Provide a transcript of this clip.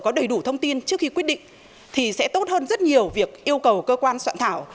có đầy đủ thông tin trước khi quyết định thì sẽ tốt hơn rất nhiều việc yêu cầu cơ quan soạn thảo